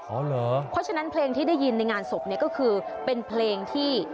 เพราะฉะนั้นเพลงที่ได้ยินในงานศพเนี่ยก็คือเป็นเพลงที่